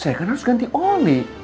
saya kan harus ganti oli